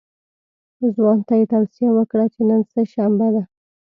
ځوان ته یې توصیه وکړه چې نن سه شنبه ده.